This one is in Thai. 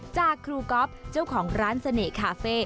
จากครูก๊อฟเจ้าของร้านเสน่หคาเฟ่